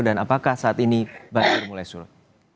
dan apakah saat ini banjir mulai surut